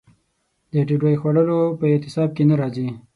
د ډوډۍ خوړلو په اعتصاب کې نه راځي.